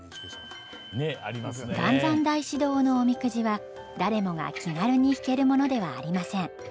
元三大師堂のおみくじは誰もが気軽に引けるものではありません。